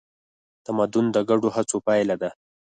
تمدن د ګډو هڅو پایله ده.